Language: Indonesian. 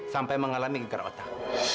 sampai mengalami gengar otak